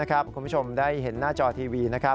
คุณผู้ชมได้เห็นหน้าจอทีวี